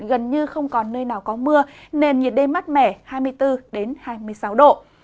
gần như không còn nơi nào có mưa nền nhiệt đêm mát mẻ hai mươi bốn hai mươi sáu độ